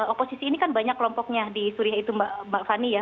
oposisi ini kan banyak kelompoknya di suriah itu mbak fani ya